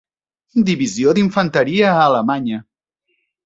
Divisió d'infanteria a Alemanya.